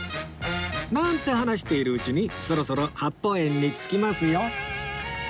なんて話しているうちにそろそろ八芳園に着きますよ